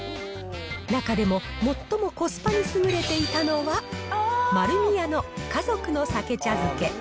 中でも最もコスパに優れていたのは、丸美屋の家族のさけ茶漬け。